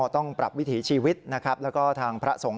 ต้องปรับวิถีชีวิตเราก็ทางพระสงฆ์